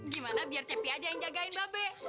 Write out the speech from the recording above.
gimana biar cepi aja yang jagain mbak be